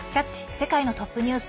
世界のトップニュース」。